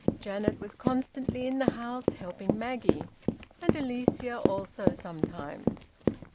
Janet was constantly in the house, helping Maggie; and Alicia also sometimes.